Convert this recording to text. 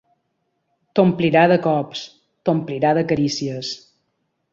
T'omplirà de cops, t'omplirà de carícies.